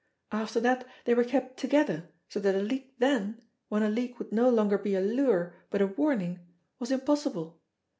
After that they were kept together so that a leak then, when a leak would no longer be a lure but a warning, THE CAT'S PAW 155 was impossible.